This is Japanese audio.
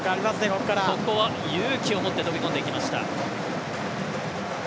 ここは勇気を持って飛び込んでいきました。